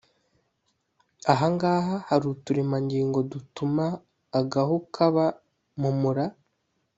Ahangaha hari uturemangingo dutuma agahu kaba mu mura